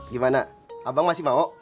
gimana abang masih mau